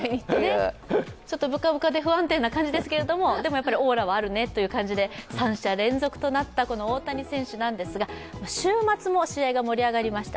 ぶかぶかで不安定な感じですけどでもオーラはあるねという感じで三者連続となったこの大谷選手なんですが、週末も試合が盛り上がりました。